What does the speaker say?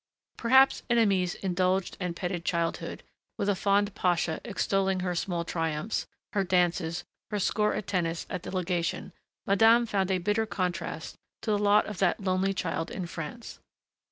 Perhaps in Aimée's indulged and petted childhood, with a fond pasha extolling her small triumphs, her dances, her score at tennis at the legation, madame found a bitter contrast to the lot of that lonely child in France.